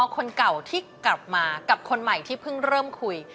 คนเก่าที่กลับมากับคนใหม่ที่เพิ่งเริ่มคุย